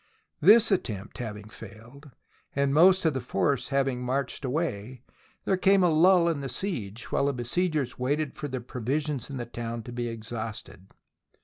This attempt having failed, and the most of the force having marched away, there came a lull in the siege, while the besiegers waited for the pro visions in the town to be exhausted.